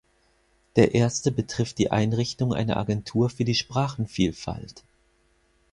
Der erste betrifft die Einrichtung einer Agentur für die Sprachenvielfalt.